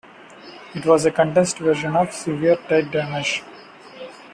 It was a condensed version of "Severe Tire Damage".